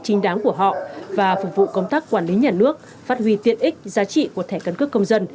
chính đáng của họ và phục vụ công tác quản lý nhà nước phát huy tiện ích giá trị của thẻ căn cước công dân